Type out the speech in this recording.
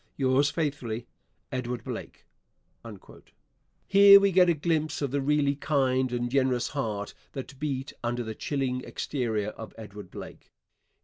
Yours faithfully, EDWARD BLAKE. Here we get a glimpse of the really kind and generous heart that beat under the chilling exterior of Edward Blake.